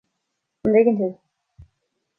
an dtuigeann tú